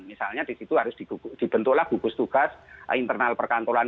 misalnya disitu harus dibentuklah gugus tugas internal perkantoran